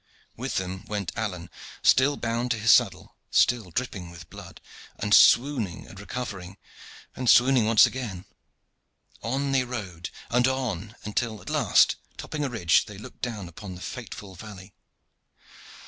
With them went Alleyne, still bound to his saddle, still dripping with blood, and swooning and recovering, and swooning once again. On they rode, and on, until, at last, topping a ridge, they looked down upon the fateful valley.